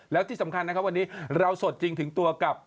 แล้วที่สำคัญนะครับวันนี้เราสดจริงถึงตัวกับ